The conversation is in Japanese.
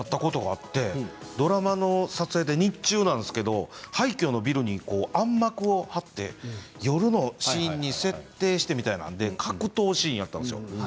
ドラマの撮影で日中なんですが廃虚のビルに、暗幕を張って夜のシーンに設定したという格闘シーンだったんです。